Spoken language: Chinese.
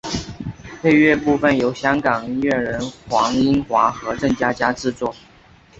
配乐部分由香港音乐人黄英华和郑嘉嘉制作。